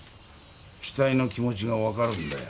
死体の気持ちがわかるんだよ。